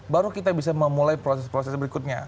baru kita bisa memulai proses proses berikutnya